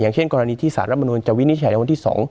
เช่นกรณีที่สารรัฐมนุนจะวินิจฉัยในวันที่๒